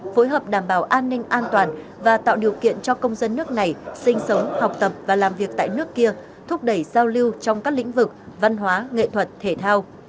phối hợp đảm bảo an ninh an toàn và tạo điều kiện cho công dân nước này sinh sống học tập và làm việc tại nước kia thúc đẩy giao lưu trong các lĩnh vực văn hóa nghệ thuật thể thao